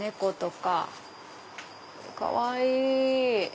かわいい！